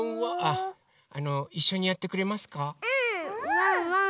ワンワン